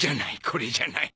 これじゃない。